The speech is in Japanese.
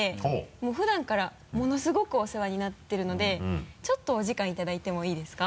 もう普段からものすごくお世話になってるのでちょっとお時間いただいてもいいですか？